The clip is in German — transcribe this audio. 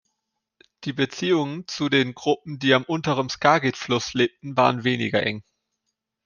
Die Beziehungen zu den Gruppen, die am unteren Skagit-Fluss lebten, waren weniger eng.